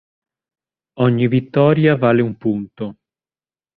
Ogni vittoria vale un punto.